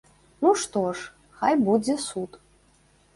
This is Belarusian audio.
Ну што ж, хай будзе суд.